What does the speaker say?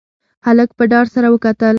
هلک په ډار سره وکتل.